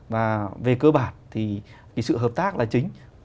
và về cơ bản thì sự hợp tác là chính